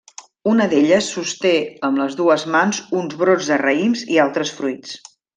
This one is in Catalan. Una d'elles sosté amb les dues mans uns brots de raïms i altres fruits.